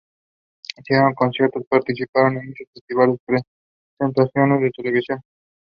The Labrador Ice Sheet radiated from two focus points.